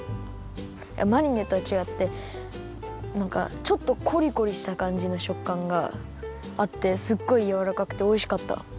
マリネとはちがってなんかちょっとコリコリしたかんじのしょっかんがあってすっごいやわらかくておいしかった。